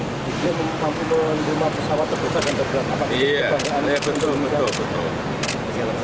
ini mempunyai lima pesawat terbesar dan terbesar